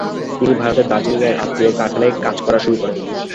তিনি ভারতের দার্জিলিংয়ে এক আত্মীয়ের কারখানায় কাজ করা শুরু করেন।